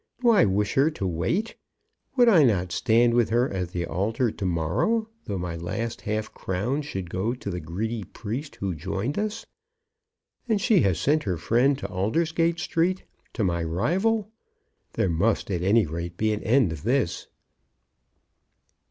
"Do I wish her to wait? Would I not stand with her at the altar to morrow, though my last half crown should go to the greedy priest who joined us? And she has sent her friend to Aldersgate Street, to my rival! There must, at any rate, be an end of this!"